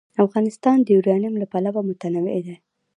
افغانستان د یورانیم له پلوه متنوع دی.